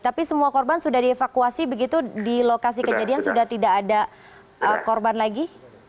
tapi semua korban sudah dievakuasi begitu di lokasi kejadian sudah tidak ada korban lagi